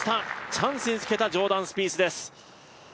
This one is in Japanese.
チャンスにつけたジョーダン・スピースです。